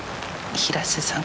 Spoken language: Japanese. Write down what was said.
平瀬さん